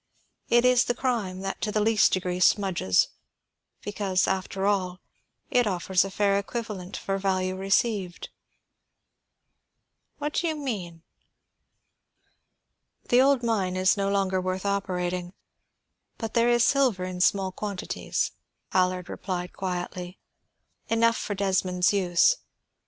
It is the crime that to the least degree smudges, because, after all, it offers a fair equivalent for value received." "What do you mean?" "The old mine is no longer worth operating; but there is silver in small quantities," Allard replied quietly. "Enough for Desmond's use.